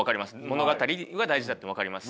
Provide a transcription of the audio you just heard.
物語が大事だって分かります。